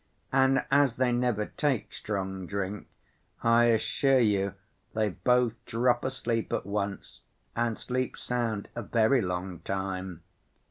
And as they never take strong drink, I assure you they both drop asleep at once and sleep sound a very long time.